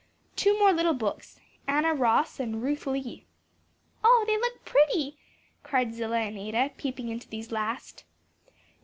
Two more little books 'Anna Ross,' and 'Ruth Lee.'" "Oh, they look pretty!" cried Zillah and Ada, peeping into these last.